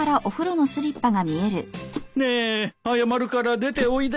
ねえ謝るから出ておいでよ。